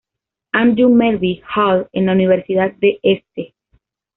Andrew Melville Hall en la Universidad de St.